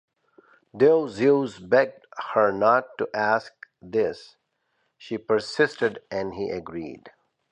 Though Zeus begged her not to ask this, she persisted and he agreed.